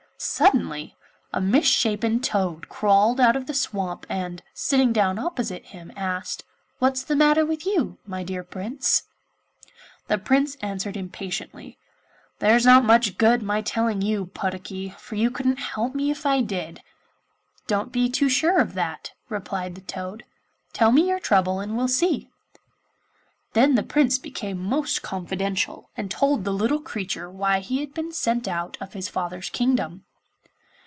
Suddenly a misshapen toad crawled out of the swamp, and, sitting down opposite him, asked: 'What's the matter with you, my dear Prince?' The Prince answered impatiently, 'There's not much good my telling you, Puddocky, for you couldn't help me if I did.' 'Don't be too sure of that,' replied the toad; 'tell me your trouble and we'll see.' Then the Prince became most confidential and told the little creature why he had been sent out of his father's kingdom.